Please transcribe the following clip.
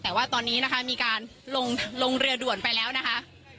แต่ว่าตอนนี้นะคะมีการลงเรือด่วนไปแล้วนะคะ